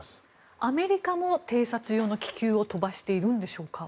アメリカも偵察用の気球を飛ばしているんでしょうか。